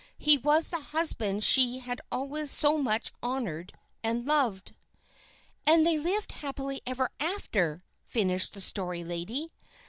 He was the husband she had always so much honored and loved. "And they lived happily ever after," finished the Story Lady.